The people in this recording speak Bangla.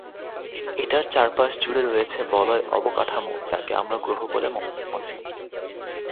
এটার চারপাশজুড়ে রয়েছে বলয় অবকাঠামো, যাকে আমরা গ্রহ বলে মনে করছি।